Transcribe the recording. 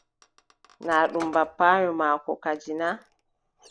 Naa ɗum bappaayo maako kadi na.